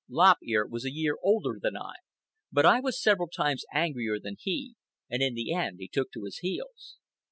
Lop Ear was a year older than I, but I was several times angrier than he, and in the end he took to his heels.